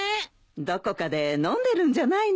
どこかで飲んでるんじゃないのかい。